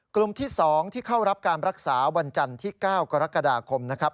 กลุ่มที่๒ที่เข้ารับการรักษาวันจันทร์ที่๙กรกฎาคมนะครับ